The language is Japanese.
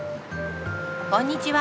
こんにちは。